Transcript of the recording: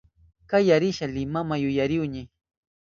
Kaya risha Limama yuyarihuni